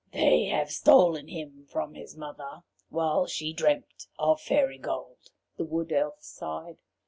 "They have stolen him from his mother, while she dreamt of fairy gold," the Wood Elf sighed.